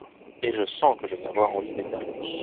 et je sens que je vais avoir envie d’éternuer…